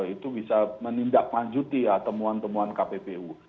itu bisa menindaklanjuti ya temuan temuan kppu